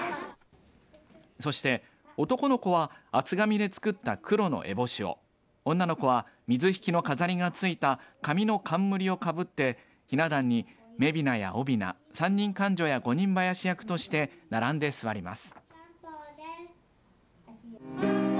そして男の子は厚紙で作った黒の烏帽子を女の子は水引の飾りが付いた紙の冠をかぶってひな壇に、めびなやおびな三人官女や五人囃子役として並んで座ります。